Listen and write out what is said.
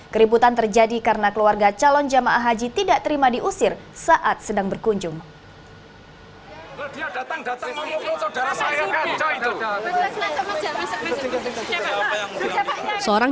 keributan terjadi karena keluarga calon jamaah haji tidak terima diusir saat sedang berkunjung